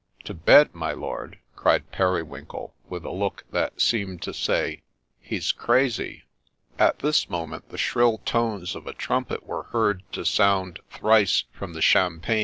' To bed, my lord ?' cried Periwinkle, with a look that seemed to say, ' He 's crazy !' At this moment the shrill tones of a trumpet were heard to sound thrice from the champaign.